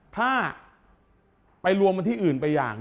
ถ้าไปรวมกันที่อื่นไปอย่าง